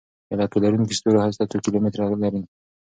د لکۍ لرونکي ستوري هسته څو کیلومتره قطر لري.